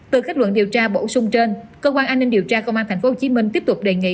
từ kết luận điều tra bổ sung trên cơ quan an ninh điều tra công an tp hcm tiếp tục đề nghị